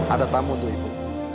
ada tamu untuk ibu